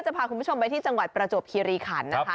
พาคุณผู้ชมไปที่จังหวัดประจวบคีรีขันนะคะ